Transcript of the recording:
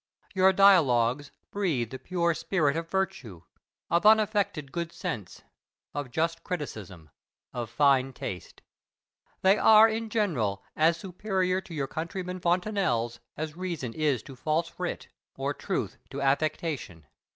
Your "Dialogues" breathe the pure spirit of virtue, of unaffected good sense, of just criticism, of fine taste. They are in general as superior to your countryman Fontenelle's as reason is to false wit, or truth to affectation.